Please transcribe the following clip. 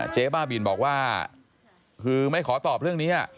เจ๊บ้าบินบอกว่าคือไม่ขอตอบเรื่องนี้